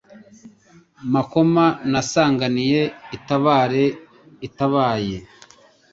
Makoma nasanganiye itabare itabaye